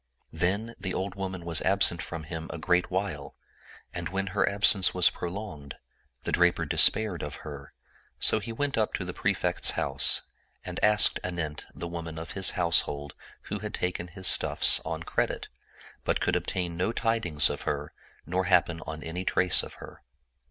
Then the old woman was absent from him a great while, and when her absence was prolonged, the draper de spaired of her; so he went up to the Prefect's house and asked anent the woman of his household who had taken his stuffs on credit ; but could obtain no tidings of her nor hap pen on any trace of her.